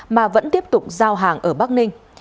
mà vẫn tiếp tục giao hàng ở bắc ninh